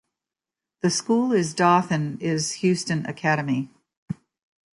The school is Dothan is Houston Academy.